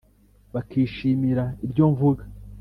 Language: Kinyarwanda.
Bakishimira ibyo mvuga.